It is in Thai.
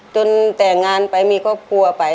จนแต่งงานไปมีครอบครัวไป